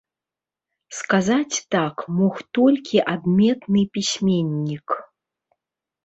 Сказаць так мог толькі адметны пісьменнік.